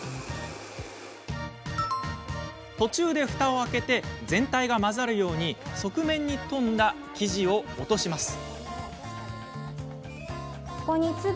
途中でふたを開けて全体が混ざるように側面に飛んだ生地を落とします。